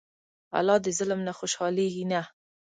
الله د ظلم نه خوشحالېږي نه.